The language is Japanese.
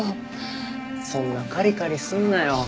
そんなカリカリすんなよ。